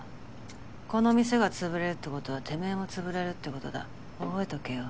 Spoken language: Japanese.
この店が潰れるってことはてめぇも潰れるってことだ覚えとけよ。